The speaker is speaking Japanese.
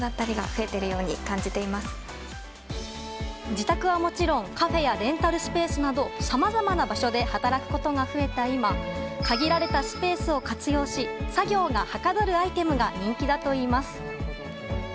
自宅はもちろんカフェやレンタルスペースなどさまざまな場所で働くことが増えた今限られたスペースを活用し作業がはかどるアイテムが人気だといいます。